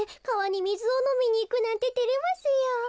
かわにみずをのみにいくなんててれますよ。